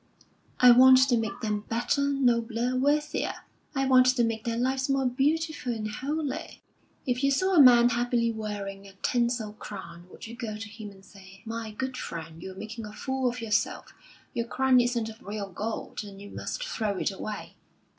"I want to make them better, nobler, worthier; I want to make their lives more beautiful and holy." "If you saw a man happily wearing a tinsel crown, would you go to him and say, 'My good friend, you're making a fool of yourself. Your crown isn't of real gold, and you must throw it away.